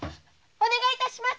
お願い致します